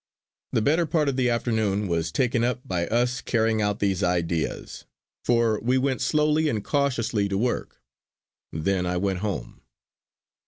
The better part of the afternoon was taken up by us carrying out these ideas, for we went slowly and cautiously to work. Then I went home.